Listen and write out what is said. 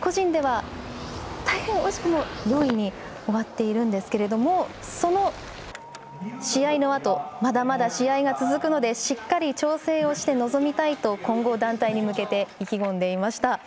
個人では、大変惜しくも４位に終わっているんですけどもその試合のあとまだまだ試合が続くのでしっかり調整して臨みたいと混合団体に向けて意気込んでいました。